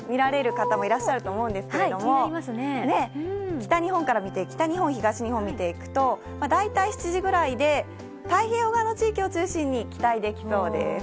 北日本から見て、北日本、東日本見ていくと、大体７時ぐらいで、太平洋側の地域を中心に期待できそうです。